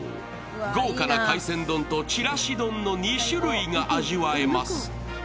豪華な海鮮丼とちらし丼の２種類が味わえます。